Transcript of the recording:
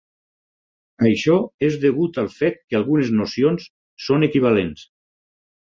Això és degut al fet que algunes nocions són equivalents.